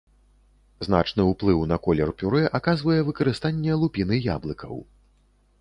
Значны ўплыў на колер пюрэ аказвае выкарыстанне лупіны яблыкаў.